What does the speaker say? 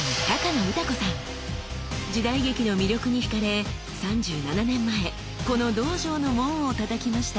時代劇の魅力にひかれ３７年前この道場の門をたたきました。